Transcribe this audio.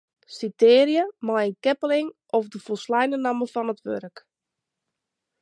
Sitearje mei in keppeling of de folsleine namme fan it wurk.